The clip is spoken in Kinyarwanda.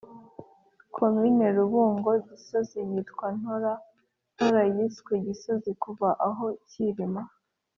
komini rubungo) –gisozi yitwa ntora ntora yiswe gisozi kuva aho kirima ịị